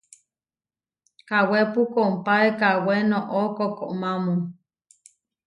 Kawépu kompáe kawé noʼó koʼkomamu.